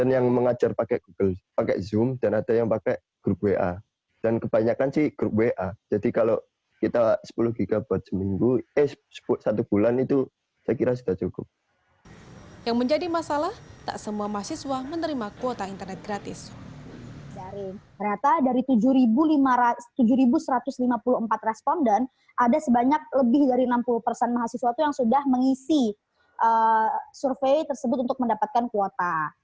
yang menjadi masalah tak semua mahasiswa menerima kuota internet gratis